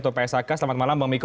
atau psak selamat malam bang miko